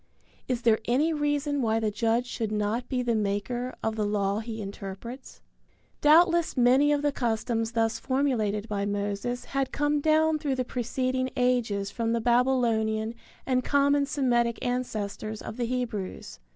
Is there any reason why the judge should not be the maker of the law he interprets? Doubtless many of the customs thus formulated by Moses had come down through the preceding ages from the Babylonian and common Semitic ancestors of the Hebrews.